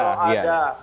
tetap itu kalau ada